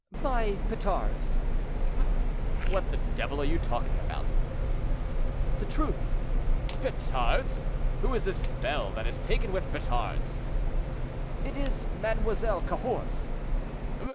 "By petards." "What the devil are you talking about?" "The truth." "Petards! Who is this belle that is taken with petards?" "It is Mademoiselle Cahors."